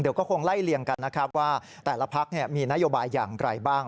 เดี๋ยวก็คงไล่เลี่ยงกันนะครับว่าแต่ละพักมีนโยบายอย่างไรบ้าง